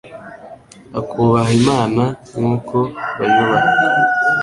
akubaha Imana nk'uko bayubaha.